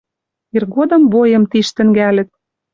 Иргодым бойым тиш тӹнгӓлӹт.